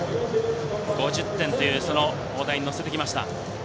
５０点の大台に乗せてきました。